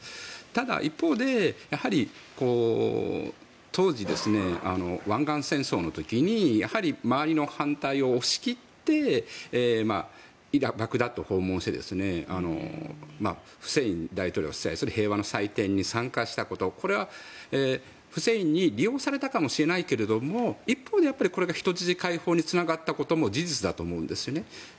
ただ、一方でやはり当時、湾岸戦争の時に周りの反対を押し切ってバグダッドを訪問してフセイン大統領が主催する平和の祭典に参加したことこれはフセインに利用されたかもしれないけれども一方でこれが人質解放につながったことも事実だと思うんです。